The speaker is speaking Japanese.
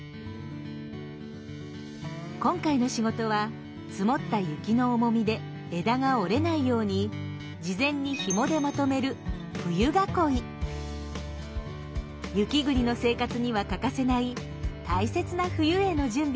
今回の仕事は積もった雪の重みで枝が折れないように事前にひもでまとめる雪国の生活には欠かせない大切な冬への準備です。